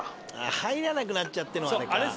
入らなくなっちゃってのあれか。